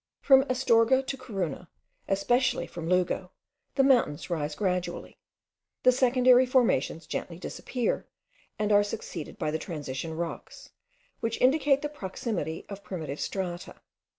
From Astorga to Corunna, especially from Lugo, the mountains rise gradually. The secondary formations gently disappear, and are succeeded by the transition rocks, which indicate the proximity of primitive strata.